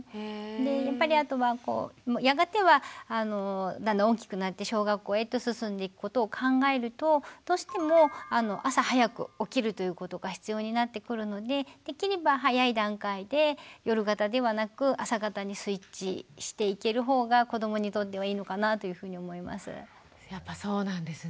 でやっぱりあとはやがてはあのだんだん大きくなって小学校へと進んでいくことを考えるとどうしても朝早く起きるということが必要になってくるのでできれば早い段階で夜型ではなく朝型にスイッチしていける方が子どもにとってはいいのかなというふうに思います。